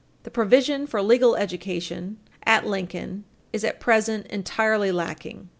The provision for legal education at Lincoln is at present entirely lacking.